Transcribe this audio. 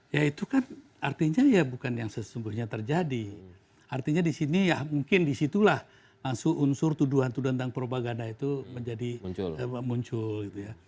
ya itu kan artinya bukan yang sesungguhnya terjadi artinya di sini mungkin di situlah langsung unsur tuduhan tuduhan tentang propaganda itu muncul